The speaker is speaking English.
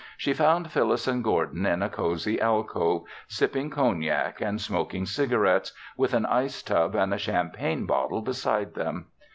She found Phyllis and Gordon in a cozy alcove, sipping cognac and smoking cigarettes, with an ice tub and a champagne bottle beside them.